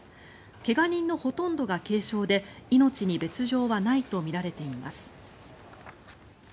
怪我人のほとんどが軽傷で命に別条はないとみられています。